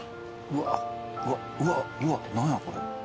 うわっうわっ何やこれ。